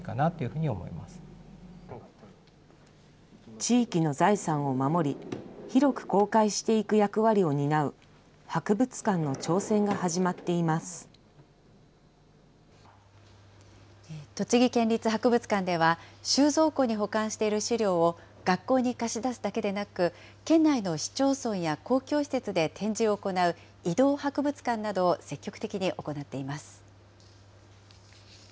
地域の財産を守り、広く公開していく役割を担う、栃木県立博物館では、収蔵庫に保管している資料を、学校に貸し出すだけでなく、県内の市町村や公共施設で展示を行う、移動博物館などを積極的に行っています。